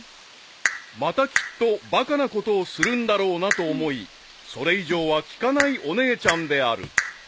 ［またきっとバカなことをするんだろうなと思いそれ以上は聞かないお姉ちゃんである］